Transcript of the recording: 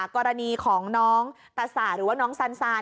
กรณีของน้องตะสาหรือว่าน้องสันซาน